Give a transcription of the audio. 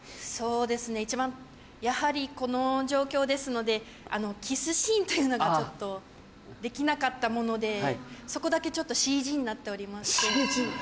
そうですね一番やはりこの状況ですのでキスシーンというのがちょっとできなかったものでそこだけちょっとＣＧになっておりまして。